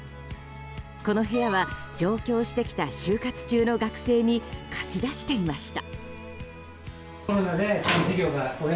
この部屋は上京してきた就活中の学生に貸し出していました。